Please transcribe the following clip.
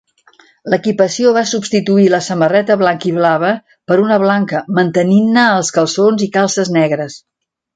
L'equipació va substituir la samarreta blanc-i-blava per una blanca, mantenint-ne els calçons i calces negres.